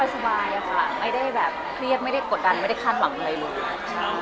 สบายอะค่ะไม่ได้แบบเครียดไม่ได้กดดันไม่ได้คาดหวังอะไรเลย